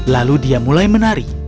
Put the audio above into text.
lalu dia mulai menari